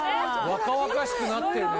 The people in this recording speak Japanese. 若々しくなってんね。